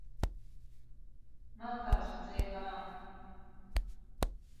なんかの撮影かな